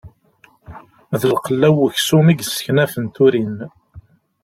D lqella n uksum i yesseknafen turin.